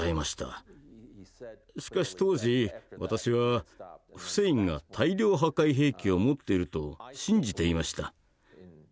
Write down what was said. しかし当時私はフセインが大量破壊兵器を持っていると信じていました。